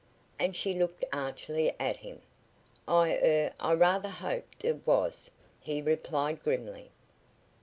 and she looked archly at him. "I er I rather hoped it was," he replied grimly.